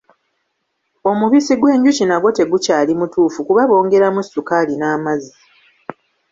Omubisi gw'enjuki nagwo tegukyali mutuufu kuba bongeramu ssukaali n'amazzi.